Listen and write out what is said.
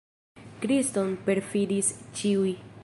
Kriston perfidis ĉiuj.